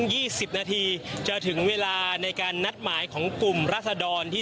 ยี่สิบนาทีจะถึงเวลาในการนัดหมายของกลุ่มราศดรที่